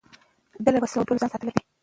ده له وسلهوالو ډلو ځان ساتلی دی.